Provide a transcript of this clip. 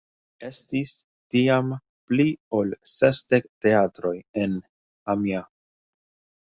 Estis tiam pli ol sesdek teatroj en Amiens.